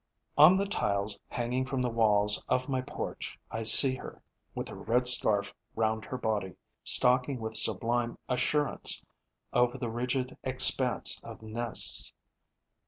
On the tiles hanging from the walls of my porch I see her, with her red scarf round her body, stalking with sublime assurance over the ridged expanse of nests.